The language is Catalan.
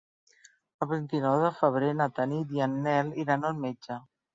El vint-i-nou de febrer na Tanit i en Nel iran al metge.